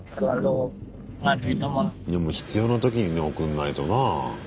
でも必要な時にね送んないとなあ。